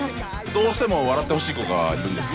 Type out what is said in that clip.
どうしても笑ってほしい子がいるんです。